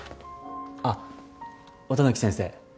あっ綿貫先生。